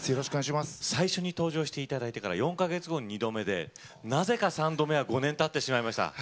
最初に登場していただいてから４か月後が２度目で、なぜか３度目は５年たってしまいました。